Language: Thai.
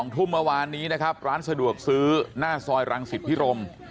ทุ่มเมื่อวานนี้นะครับร้านสะดวกซื้อหน้าซอยรังสิตพิรม